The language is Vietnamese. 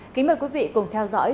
kính mời quý vị cùng theo dõi